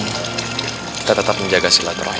kita tetap menjaga silat rohim